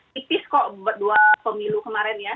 tipis kok dua pemilu kemarin ya